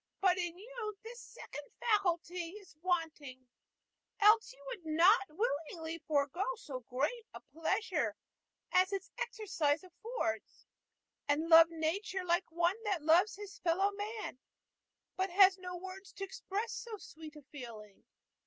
But in you this second faculty is wanting, else you would not willingly forego so great a pleasure as its exercise affords, and love nature like one that loves his fellow man, but has no words to express so sweet a feeling.